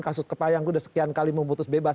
kasus kepah yang udah sekian kali memutus bebas